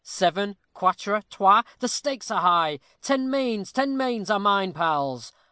Seven quatre, trois, The stakes are high! Ten mains! ten mains are mine, pals!